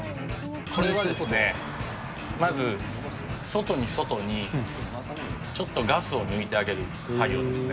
これはですね、まず外に外にちょっとガスを抜いてあげる作業ですね。